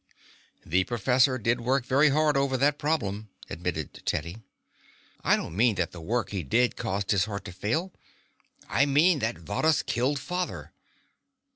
"The professor did work very hard over that problem," admitted Teddy. "I don't mean that the work he did caused his heart to fail. I mean I think Varrhus killed father."